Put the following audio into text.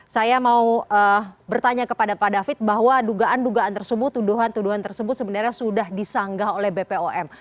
saya mau bertanya kepada pak david bahwa dugaan dugaan tersebut tuduhan tuduhan tersebut sebenarnya sudah disanggah oleh bpom